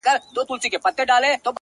راكيټونو دي پر ما باندي را اوري.